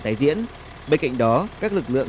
tái diễn bên cạnh đó các lực lượng